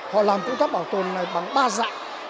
họ làm công tác bảo tồn này bằng ba dạng